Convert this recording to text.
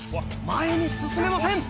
前に進めません